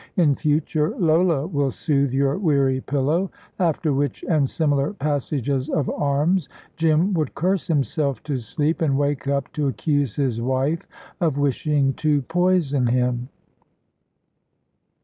In future, Lola will soothe your weary pillow"; after which and similar passages of arms, Jim would curse himself to sleep, and wake up to accuse his wife of wishing to poison him.